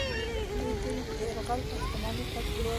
دوی دې د یرغل احتمالي تګ لوري وښیي.